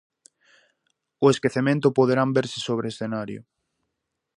O esquecemento, poderán verse sobre o escenario.